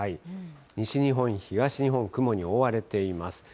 西日本、東日本、雲に覆われています。